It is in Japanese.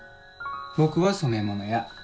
僕は染め物屋。